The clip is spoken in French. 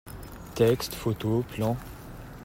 Textes, photos, plans…